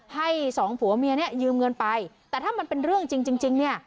ให้สองผัวเมียเนี่ยยืมเงินไปแต่ถ้ามันเป็นเรื่องจริงจริงเนี่ย